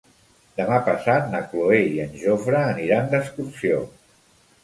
Demà passat na Cloè i en Jofre aniran d'excursió.